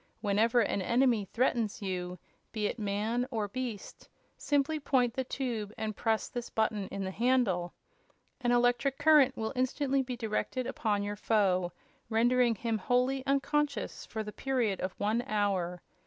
Whenever an enemy threatens you, be it man or beast, simply point the tube and press this button in the handle. An electric current will instantly be directed upon your foe, rendering him wholly unconscious for the period of one hour.